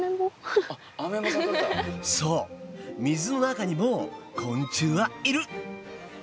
そう水の中にも昆虫はいる！